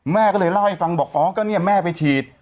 แม่ก็เลยเล่าให้ฟังบอกอ๋อก็เนี่ยแม่ไปฉีด